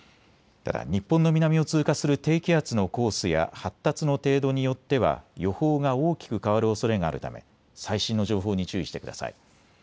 ただ日本の南を通過する低気圧のコースや発達の程度によっては予報が大きく変わるおそれがあるため最新の情報に注意してください。